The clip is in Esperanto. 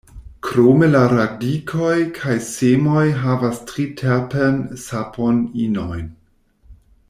Krome la radikoj kaj semoj havas triterpen-saponinojn.